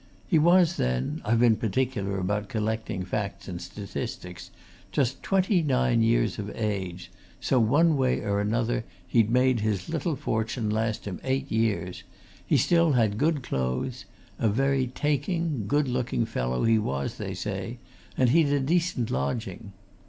He was then I've been particular about collecting facts and statistics just twenty nine years of age, so, one way or another, he'd made his little fortune last him eight years; he still had good clothes a very taking, good looking fellow he was, they say and he'd a decent lodging.